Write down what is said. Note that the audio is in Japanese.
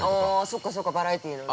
◆そっか、そっかバラエティーのね。